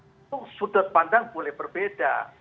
itu sudut pandang boleh berbeda